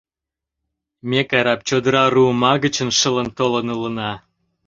Ме карап чодыра руыма гычын шылын толын улына.